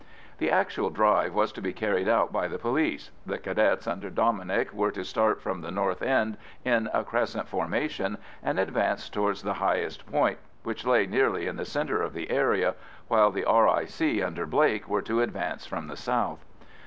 The actual drive was to be carried out by the police. The Cadets under Dominic were to start from the north end in a crescent formation and advance towards the highest point, which lay nearly in the centre of the area, while the R.I.C. under Blake were to advance from the south.